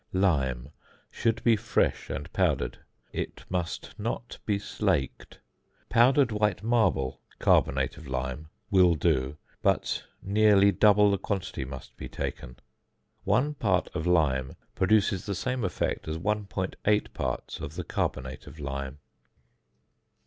~Lime~: should be fresh and powdered. It must not be slaked. Powdered white marble (carbonate of lime) will do; but nearly double the quantity must be taken. One part of lime produces the same effect as 1.8 parts of the carbonate of lime.